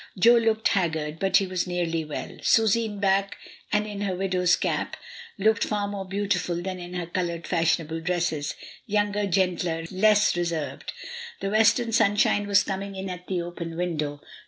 Jo looked haggard, but he was nearly well. Susy in black and in her widow's cap looked far more beautiftil than in her coloured fashionable dresses — younger, gentler, less reserved. The western sun shine was coming in at the open window.